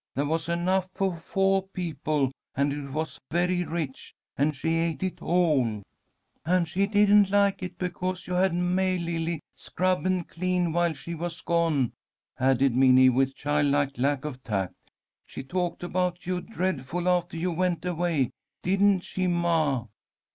There was enough for foah people, and it was very rich, and she ate it all." "And she didn't like it because you had May Lily scrub and clean while she was gone," added Minnie, with childlike lack of tact. "She talked about you dreadful after you went away. Didn't she, ma?"